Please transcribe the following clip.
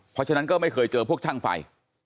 เพราะฉะนั้นก็ไม่เคยเจอพวกช่างไฟ